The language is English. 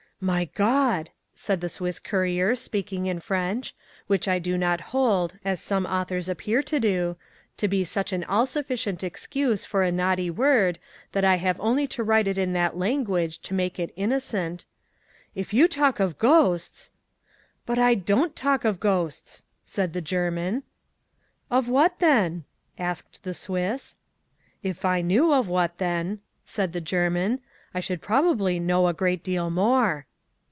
'My God!' said the Swiss courier, speaking in French, which I do not hold (as some authors appear to do) to be such an all sufficient excuse for a naughty word, that I have only to write it in that language to make it innocent; 'if you talk of ghosts—' 'But I don't talk of ghosts,' said the German. 'Of what then?' asked the Swiss. 'If I knew of what then,' said the German, 'I should probably know a great deal more.